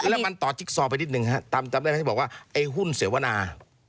แล้วมันต่อจิ๊กซอไปนิดนึงฮะจำได้ไหมที่บอกว่าไอ้หุ้นเสวนา